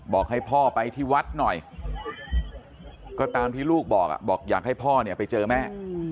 บอกให้พ่อไปที่วัดหน่อยก็ตามที่ลูกบอกบอกอยากให้พ่อเนี่ยไปเจอแม่